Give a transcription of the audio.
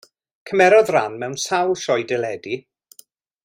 Cymerodd ran mewn sawl sioe deledu.